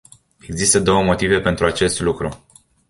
Există două motive pentru acest lucru.